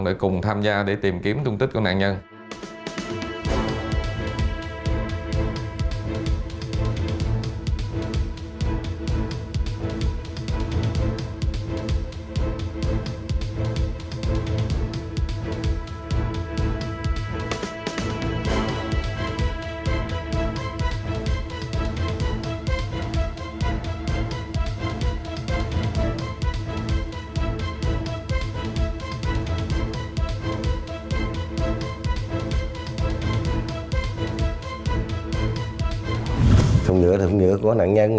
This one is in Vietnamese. để cùng tham gia để tìm kiếm thông tích của nạn nhân